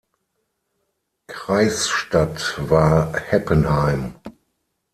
Kreisstadt war Heppenheim.